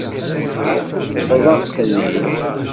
Teṭṭfeḍ-aɣ-ten-id.